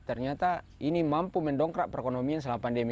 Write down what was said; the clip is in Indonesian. ternyata ini mampu mendongkrak perekonomian selama pandemi